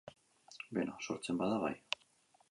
Beno, sortzen bada, bai.